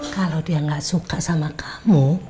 kalau dia nggak suka sama kamu